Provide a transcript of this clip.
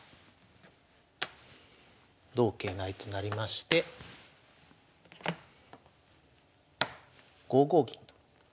同桂成となりまして５五銀と。